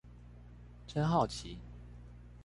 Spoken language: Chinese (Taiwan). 真好奇